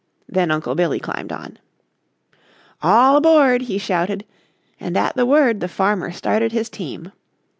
Then Uncle Billy climbed on. "All aboard!" he shouted, and at the word the farmer started his team.